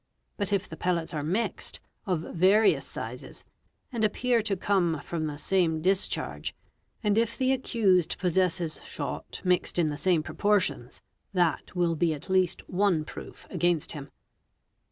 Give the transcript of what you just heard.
But if the pellets are mixed, of various sizes, and appear to come from the same discharge, and if the accused possesses shot mixed in the same proportions, that will be at least one proof against him.